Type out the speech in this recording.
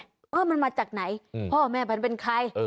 ว่ามันมาจากไหนพ่อแม่มันเป็นใคร